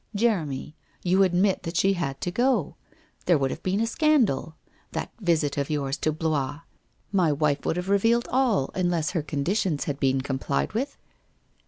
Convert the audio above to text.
' Jeremy, you admit that she had to go. There would have been a scandal. That visit of yours to Blois! My wife would have revealed all, unless her conditions had been complied with.'